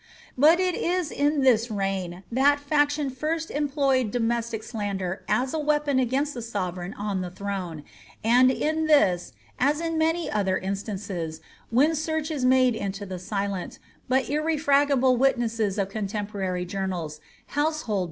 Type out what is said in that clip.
But it is in this reign that &rtion first employed domestic slander as a weapon against the sovereign on the throne, and in this, as in many other instances, when search is made into the silent, but irrefragable witnesses of contemporary journals, household ferent hand.